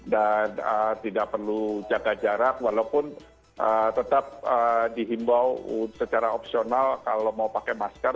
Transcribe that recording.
dan tidak perlu jaga jarak walaupun tetap dihimbau secara opsional kalau mau pakai masker